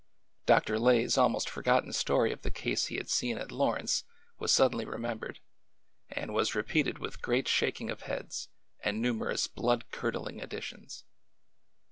Dr. Lay's almost forgotten story of the case he had seen at Lawrence was suddenly re membered, and was repeated with great shaking of heads and numerous blood curdling additions.